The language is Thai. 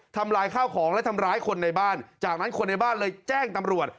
ทำลายข้าวของและทำร้ายคนในบ้านจากนั้นคนในบ้านเลยแจ้งตำรวจ